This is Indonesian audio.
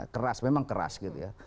keras memang keras gitu ya